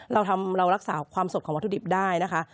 เรารักษาความสดของวัตถุดิบได้นะคะ